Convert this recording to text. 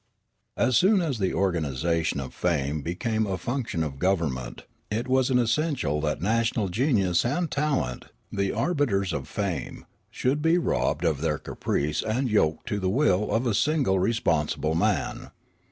As soon as the organisation of fame became a func tion of government, it was an essential that national genius and talent, the arbiters of fame, should be robbed of their caprice and yoked to the will of a single respons ible man.